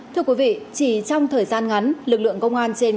thưa quý vị chỉ trong thời gian ngắn lực lượng công an trên